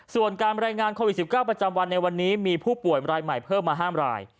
ส่วนการรายงานโควิด๑๙ประจำวันในวันนี้มีผู้ป่วยรายใหม่เพิ่มมา๕ราย